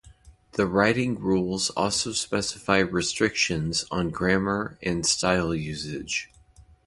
The Writing Rules also specify restrictions on grammar and style usage.